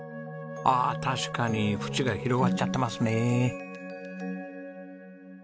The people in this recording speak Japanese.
ああ確かに縁が広がっちゃってますね。